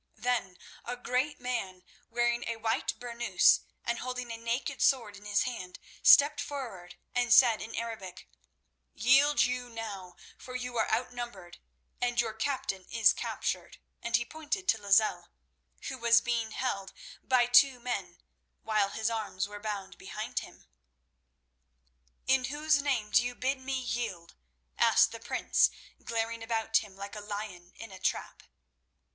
Then a great man, wearing a white burnous and holding a naked sword in his hand, stepped forward and said in Arabic: "Yield you now, for you are outnumbered and your captain is captured," and he pointed to Lozelle, who was being held by two men while his arms were bound behind him. "In whose name do you bid me yield?" asked the prince, glaring about him like a lion in a trap.